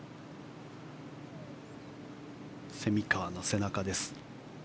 蝉川の背中です。